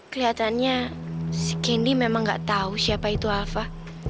kelihatannya si candy memang gak tahu siapa itu alva